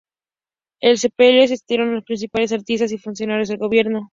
Al sepelio asistieron los principales artistas y funcionarios del gobierno.